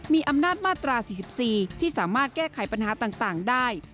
มีอำนาจมาตรา๔๔ที่สามารถแก้ไขปัญหาต่างได้